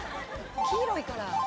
黄色いから。